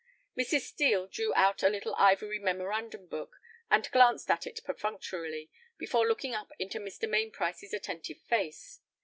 Mrs. Steel drew out a little ivory memorandum book, and glanced at it perfunctorily, before looking up into Mr. Mainprice's attentive face.